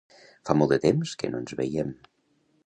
Fa molt de temps que no ens veiem.